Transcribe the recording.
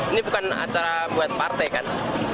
ini bukan acara buat partai kan